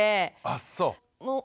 あっそう。